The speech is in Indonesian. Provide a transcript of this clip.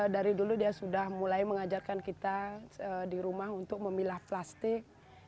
dari dulu dia sudah mulai mengajarkan kita di rumah untuk memilah plastik